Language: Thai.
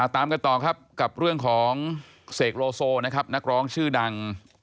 ตามกันต่อครับกับเรื่องของเสกโลโซนะครับนักร้องชื่อดัง